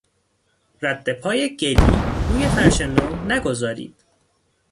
ردپای گلی روی فرش نو نگذارید!